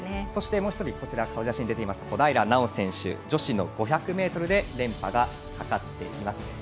そして、もう１人顔写真が出ています小平奈緒選手、女子の５００ｍで連覇がかかっています。